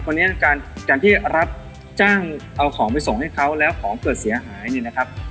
เพราะฉะนั้นการที่รับจ้างเอาของไปส่งให้เขาแล้วของเกิดเสียหายเนี่ยนะครับ